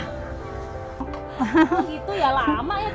kondisi ini membuatnya